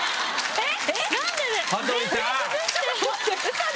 えっ！